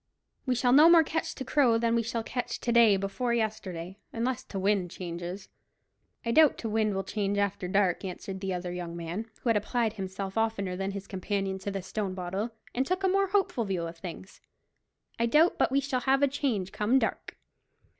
"We shall no more catch t' Crow than we shall catch t' day before yesterday, unless t' wind changes." "I doubt t' wind will change after dark," answered the other young man, who had applied himself oftener than his companion to the stone bottle, and took a more hopeful view of things. "I doubt but we shall have a change come dark."